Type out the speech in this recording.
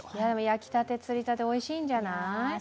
焼きたて、釣りたて、おいしいんじゃない？